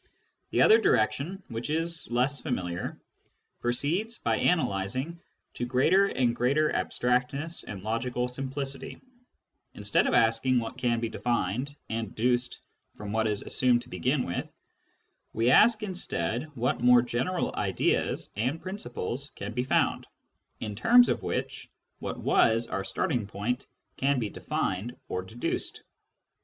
The other direction, which is less familiar, proceeds, by analysing, to greater and greater abstractness and logical simplicity ; instead of asking what can be defined and deduced from what is assumed to begin with, we ask instead what more general ideas and principles can be found, in terms of which what was our starting point can be defined or deduced.